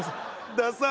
ダサい。